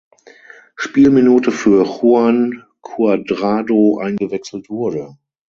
Spielminute für Juan Cuadrado eingewechselt wurde.